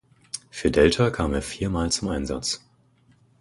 Für Delta kam er viermal zum Einsatz.